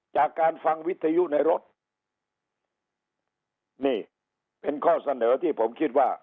จากการฟังวิทยุในรถนี่เป็นข้อเสนอที่ผมคิดว่า